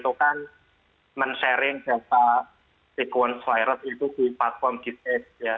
kita akan men sharing data sekuens virus itu di platform g state